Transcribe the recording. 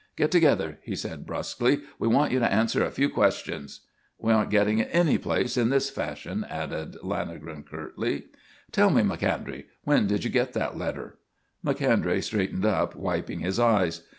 "Get together," he said brusquely. "We want you to answer a few questions." "We aren't getting any place in this fashion," added Lanagan curtly. "Tell me, Macondray, when did you get that letter?" Macondray straightened up, wiping his eyes.